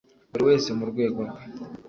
buri wese mu rwego rwe